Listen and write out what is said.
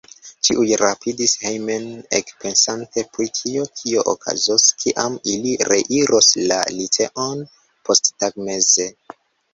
Ĉiuj rapidis hejmen, ekpensante pri tio, kio okazos, kiam ili reiros la liceon posttagmeze.